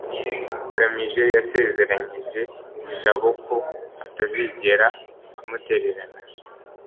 ngamije yasezeranyije jabo ko atazigera amutererana